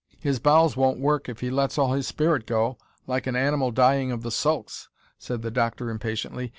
"His bowels won't work if he lets all his spirit go, like an animal dying of the sulks," said the doctor impatiently.